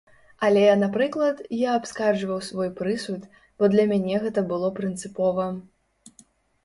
Але, напрыклад, я абскарджваў свой прысуд, бо для мяне гэта было прынцыпова.